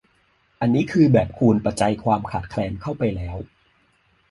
อันนี้คือแบบคูณปัจจัยความขาดแคลนเข้าไปแล้ว